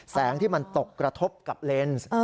แสงที่มันตกกระทบกับเลนส์